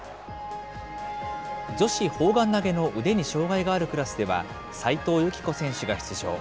女子砲丸投げの腕に障害があるクラスでは、齋藤由希子選手が出場。